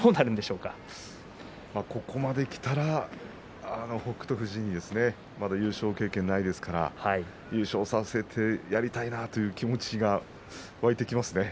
ここまできたら北勝富士に、まだ優勝経験がありませんから優勝をさせてやりたいなという気持ちが湧いてきますね。